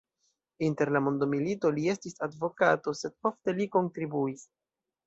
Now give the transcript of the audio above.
Inter la mondomilito li estis advokato, sed ofte li kontribuis.